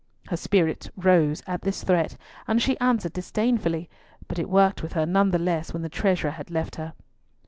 Her spirit rose at this threat, and she answered disdainfully, but it worked with her none the less when the treasurer had left her.